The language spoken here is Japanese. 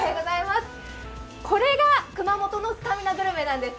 これが熊本のスタミナグルメなんです。